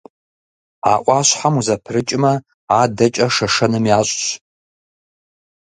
А ӏуащхьэм ущхьэпрыкӏмэ, адэкӏэ Шэшэным ящӏщ.